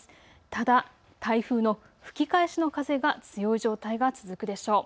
ただ台風の吹き返しの風が強い状態が続くでしょう。